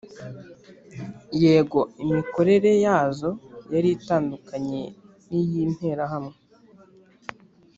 yego imikorere yazo yari itandukanye n'iy'interahamwe,